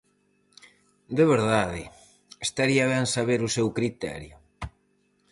De verdade, estaría ben saber o seu criterio.